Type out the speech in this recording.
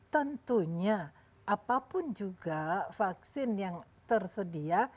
tentunya apapun juga vaksin yang tersedia